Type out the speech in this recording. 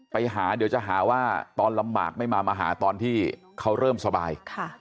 ไปหาเดี๋ยวจะหาว่าตอนลำบากไม่มามาหาตอนที่เขาเริ่มสบาย